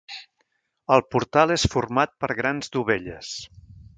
El portal és format per grans dovelles.